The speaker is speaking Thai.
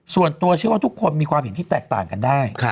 ส่วนตัวเชื่อว่าทุกคนมีความเห็นที่แตกต่างกันได้